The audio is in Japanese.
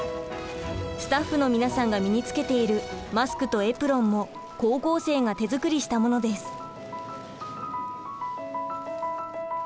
スタッフの皆さんが身につけているマスクとエプロンも高校生が手作りしたものです。